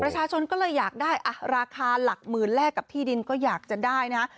ประชาชนก็เลยอยากได้ราคาหลักหมื่นแลกกับที่ดินก็อยากจะได้นะฮะ